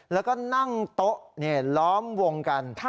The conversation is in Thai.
แล้วก็นั่งโต๊ะล้อมวงกัน